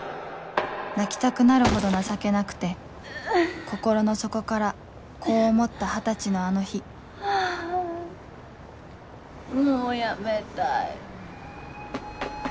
泣きたくなるほど情けなくて心の底からこう思った二十歳のあの日もう辞めたい。